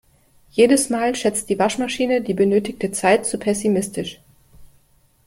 Jedes Mal schätzt die Waschmaschine die benötigte Zeit zu pessimistisch.